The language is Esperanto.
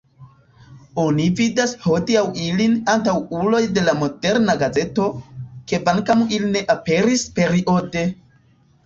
Oni vidas hodiaŭ ilin antaŭuloj de la moderna gazeto, kvankam ili ne aperis periode.